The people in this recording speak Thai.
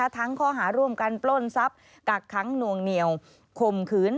และทั้งข้อหาร่วมการปล้นทรัพย์กักคั้งนวงเหนียวคมขืน